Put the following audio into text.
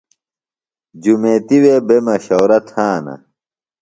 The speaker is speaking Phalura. جُمیتیۡ وے بےۡ مشورہ تھانہ